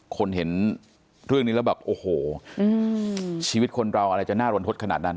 คนเห็นเรื่องนี้แล้วแบบโอ้โหชีวิตคนเราอะไรจะน่ารนทดขนาดนั้น